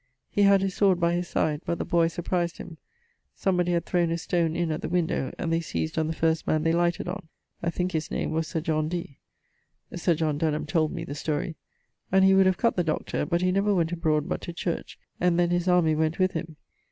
He had his sword by his side, but the boyes surprized him: somebody had throwen a stone in at the windowe; and they seised on the first man they lighted on.I thinke his name was Sir John D. (Sir John Denham told me the storie), and he would have cutt the doctor, but he never went abroad but to church, and then his army went with him.